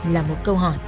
là một câu hỏi